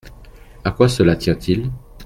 À quoi cela tient-il ?